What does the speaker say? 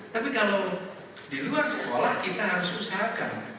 tapi kalau di luar sekolah kita harus usahakan